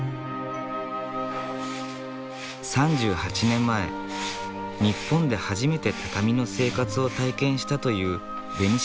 ３８年前日本で初めて畳の生活を体験したというベニシアさん。